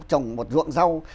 trồng một ruộng rau